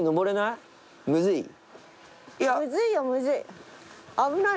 むずいよむずい。